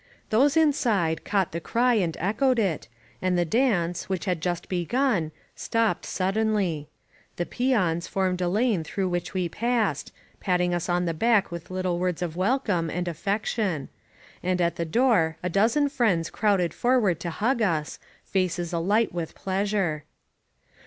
Those inside caught the cry and echoed it, and the dance, which had just begun, stopped suddenly. The peons formed a lane through which we passed, patting us on the back with little words of welcome and af fection; and at the door a dozen friends crowded for* ward to hug us, faces alight with pleasure.